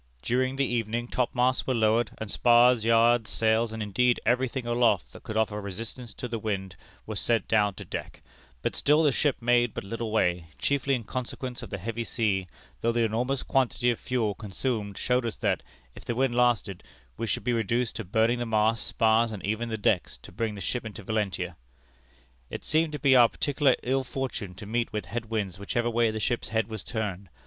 During the evening topmasts were lowered, and spars, yards, sails, and indeed every thing aloft that could offer resistance to the wind, was sent down on deck; but still the ship made but little way, chiefly in consequence of the heavy sea, though the enormous quantity of fuel consumed showed us that, if the wind lasted, we should be reduced to burning the masts, spars, and even the decks, to bring the ship into Valentia. "It seemed to be our particular ill fortune to meet with head winds whichever way the ship's head was turned.